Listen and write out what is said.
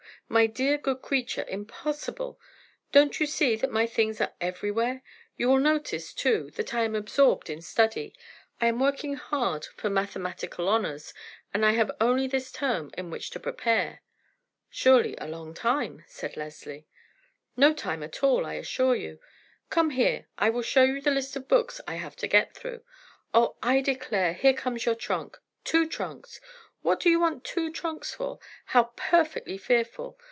My dear, good creature, impossible! Don't you see that my things are everywhere? You will notice, too, that I am absorbed in study. I am working hard for mathematical honors, and I have only this term in which to prepare." "Surely a long time?" said Leslie. "No time at all, I assure you. Come here; I will show you the list of books I have to get through. Oh, I declare, here comes your trunk—two trunks. What do you want two trunks for? How perfectly fearful!